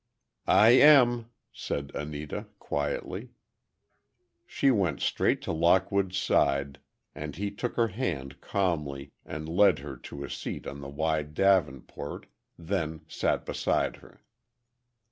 "I am," said Anita, quietly. She went straight to Lockwood's side, and he took her hand calmly, and led her to a seat on the wide davenport, then sat beside her.